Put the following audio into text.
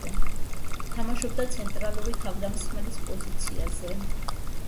თამაშობდა ცენტრალური თავდამსხმელის პოზიციაზე.